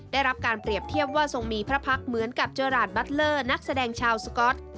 ได้รับการเปรียบเทียบว่าทรงมีพระพักษ์เหมือนกับเจอราชบัตเลอร์นักแสดงชาวสก๊อต